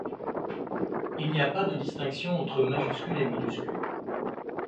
Il n'y a pas de distinction entre majuscules et minuscules.